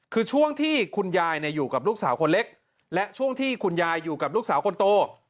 คือช่วงที่คุณยายอยู่กับลูกสาวคนเล็กและช่วงที่คุณยายอยู่กับลูกสาวคนโต